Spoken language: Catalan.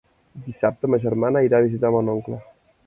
Dissabte ma germana irà a visitar mon oncle.